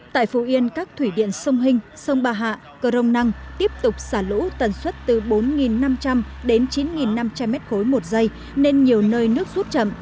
tại phù yên các thủy điện sông hinh sông bà hạ cờ rồng năng tiếp tục xả lũ tần suất từ bốn năm trăm linh đến chín năm trăm linh m ba một giây nên nhiều nơi nước rút chậm